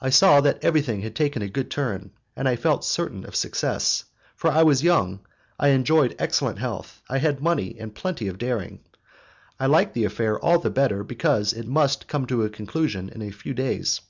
I saw that everything had taken a good turn, and I felt certain of success, for I was young, I enjoyed excellent health, I had money and plenty of daring. I liked the affair all the better because it must come to a conclusion in a few days.